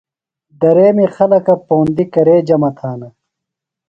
دریمی خلکہ پوندیۡ کرے جمع تھانہ؟